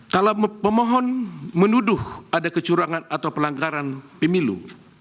kalau pemohon menuduh ada kecurangan atau pelanggaran pemilu